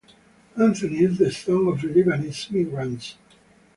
Anthony is the son of Lebanese migrants.